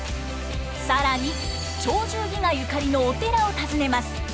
更に「鳥獣戯画」ゆかりのお寺を訪ねます。